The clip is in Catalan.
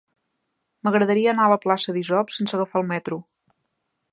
M'agradaria anar a la plaça d'Isop sense agafar el metro.